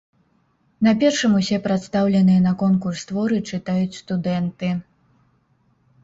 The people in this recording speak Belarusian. На першым усе прадстаўленыя на конкурс творы чытаюць студэнты.